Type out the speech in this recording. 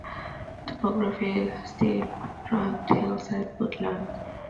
The topography consists of steep and rugged hillsides covered with boulders and oak woodlands.